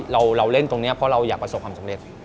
เราเล่นตรงนี้เพราะเราอยากประสบความสำเร็จ